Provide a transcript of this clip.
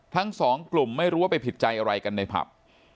ทั้งสองกลุ่มไม่รู้ว่าไปผิดใจอะไรกันในผับ